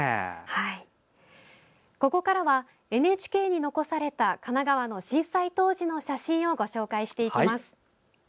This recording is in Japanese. ここからはＮＨＫに残された神奈川の震災当時の写真をご紹介していきます。